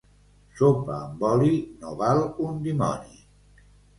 Sopa amb oli no val un dimoni.